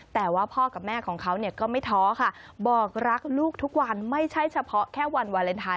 แต่ว่าพ่อกับแม่ของเขาเนี่ยก็ไม่ท้อค่ะบอกรักลูกทุกวันไม่ใช่เฉพาะแค่วันวาเลนไทย